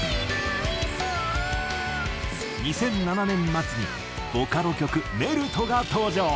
２００７年末にボカロ曲『メルト』が登場。